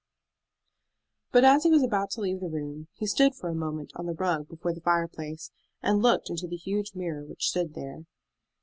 But as he was about to leave the room he stood for a moment on the rug before the fireplace and looked into the huge mirror which stood there.